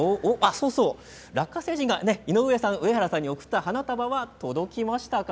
そうそう、ラッカ星人が井上さん、上原さんに贈った花束は届きましたか。